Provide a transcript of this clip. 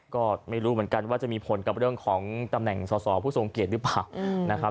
ก็ไม่รู้เหมือนกันว่าจะมีผลกับเรื่องของตำแหน่งสอสอผู้สงเกตรึเปล่า